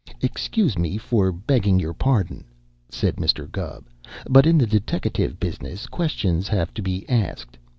"Excuse me for begging your pardon," said Mr. Gubb, "but in the deteckative business questions have to be asked.